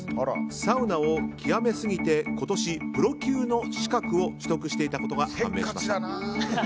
サウナを極めすぎて今年、プロ級の資格を取得していたことが判明しました。